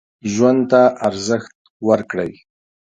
ژوند ته ارزښت ورکړئ.